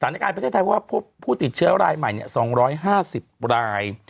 สถานการณ์ประเทศไทยว่าพบผู้ติดเชื้อรายใหม่๒๕๐ราย